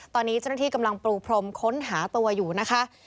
ตอนนี้เจ้าหน้าที่กำลังปรูพรมค้นหาตัวอยู่นะคะ